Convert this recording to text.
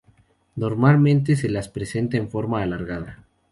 Normalmente se las representa en forma alargada.